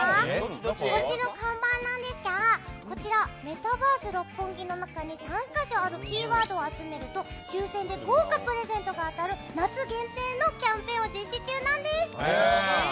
こっちの看板なんですがこちらはメタバース六本木の中に３か所あるキーワードを集めると抽選で豪華プレゼントが当たる夏限定のキャンペーンを実施中なんです。